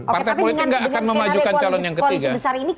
partai politik nggak akan memajukan calon yang ketiga